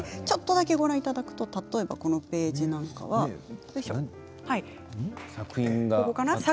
ちょっとだけご覧いただくと例えばこのページなんかはよいしょここかな？